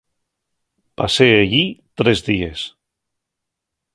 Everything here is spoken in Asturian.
Pasé ellí tres díes.